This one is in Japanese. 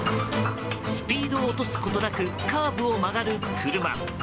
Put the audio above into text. スピードを落とすことなくカーブを曲がる車